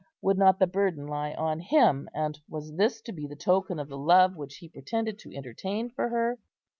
would not the burden lie on him, and was this to be the token of the love which he pretended to entertain for her?